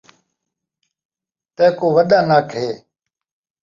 تیکوں وݙا نک ہے